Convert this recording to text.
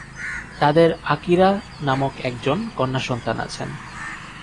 তাদের আকিরা নামক একজন কন্যাসন্তান আছেন।